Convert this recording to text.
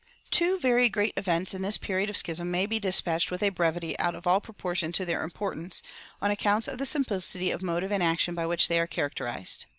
Two very great events in this period of schism may be dispatched with a brevity out of all proportion to their importance, on account of the simplicity of motive and action by which they are characterized.